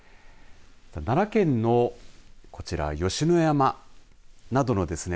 奈良県のこちら吉野山などのですね